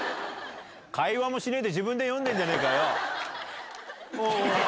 会話もしねえで自分で読んでんじゃねえかよ！